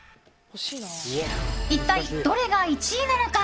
一体どれが１位なのか。